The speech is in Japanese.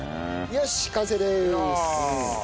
よし完成です！